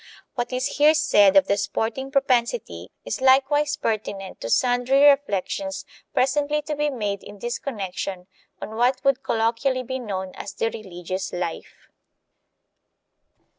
What is here said of the sporting propensity is likewise pertinent to sundry reflections presently to be made in this connection on what would colloquially be known as the religious life.